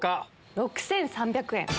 ６３００円。